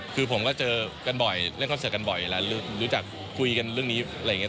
คือผมก็เจอกันบ่อยเล่นคอนเสิร์ตกันบ่อยแล้วรู้จักคุยกันเรื่องนี้อะไรอย่างนี้